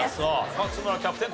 勝村キャプテン